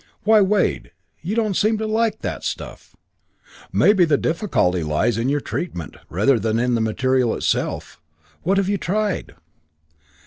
"Why, Wade, you don't seem to like that stuff. Maybe the difficulty lies in your treatment, rather than in the material itself. What have you tried?"